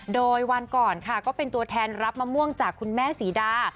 โดยวันก่อนค่ะก็เป็นตัวแทนรับมะม่วงจากคุณแม่ศรีดา